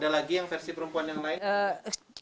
ada lagi yang versi perempuan yang lain